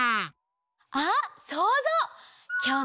あっそうぞう！